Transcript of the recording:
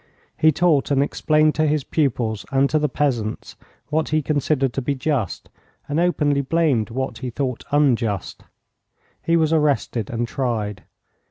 He taught and explained to his pupils and to the peasants what he considered to be just, and openly blamed what he thought unjust. He was arrested and tried.